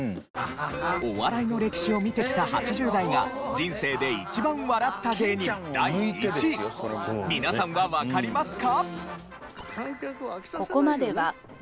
お笑いの歴史を見てきた８０代が人生で一番笑った芸人第１位皆さんはわかりますか？